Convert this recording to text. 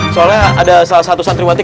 soalnya ada salah satu santriwati